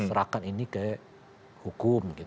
serahkan ini ke hukum